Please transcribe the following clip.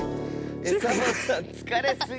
サボさんつかれすぎ！